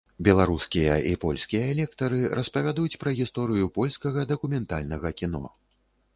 Беларускія і польскія лектары распавядуць пра гісторыю польскага дакументальнага кіно.